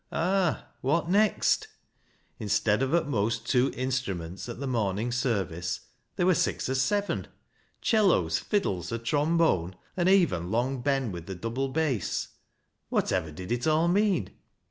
Ah! what next? Instead of at most two instruments at the morning service there were six or seven — 'cellos, fiddles, a trombone, and even Long Ben with the double bass. Whatever did it all mean